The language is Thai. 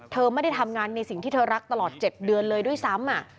เธอไม่ได้ทำงานในสิ่งที่เธอรักตลอด๗เดือนเลยด้วยซ้ำ